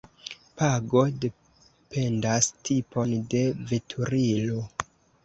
Pago dependas tipon de veturilo.